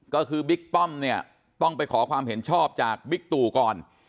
ก็คือบิ๊กป้อมเนี่ยต้องไปขอความเห็นชอบจากบิ๊กตู่ก่อน